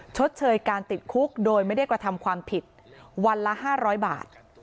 ชดเชยการติดคุกโดยไม่ได้กระทำความผิดวันละ๕๐๐บาท